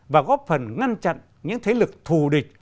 và góp phần ngăn chặn những thế lực thù địch